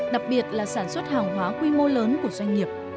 đặc biệt là sản xuất hàng hóa quy mô lớn của doanh nghiệp